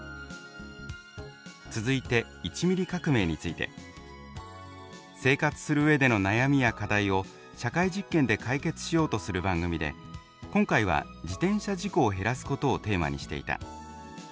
続いて「１ミリ革命」について「生活する上での悩みや課題を社会実験で解決しようとする番組で今回は自転車事故を減らすことをテーマにしていた。